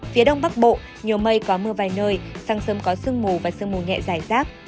phía đông bắc bộ nhiều mây có mưa vài nơi sáng sớm có sương mù và sương mù nhẹ dài rác